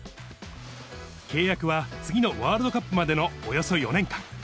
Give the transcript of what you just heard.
契約は次のワールドカップまでのおよそ４年間。